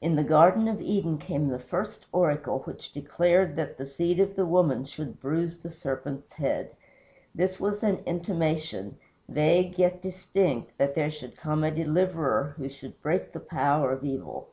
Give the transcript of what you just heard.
In the Garden of Eden came the first oracle, which declared that the SEED of the woman should bruise the serpent's head. This was an intimation, vague yet distinct, that there should come a Deliverer who should break the power of evil.